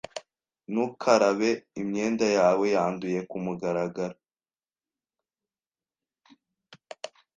Ntukarabe imyenda yawe yanduye kumugaragaro.